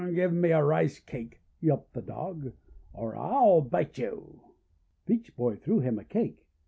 "Give me a Rice Cake," yelped the Dog, :tor I'll bite you!" Peach Boy threw him a cake.